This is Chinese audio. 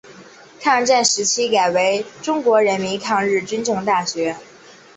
抗战时期改为中国人民抗日军政大学。